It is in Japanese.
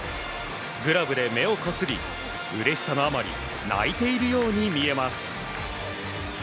グラブで目をこすりうれしさのあまり泣いているように見えます。